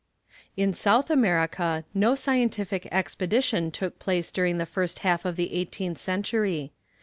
] In South America no scientific expedition took place during the first half of the eighteenth century.